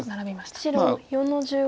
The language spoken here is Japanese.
白４の十五。